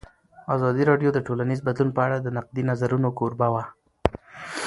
ازادي راډیو د ټولنیز بدلون په اړه د نقدي نظرونو کوربه وه.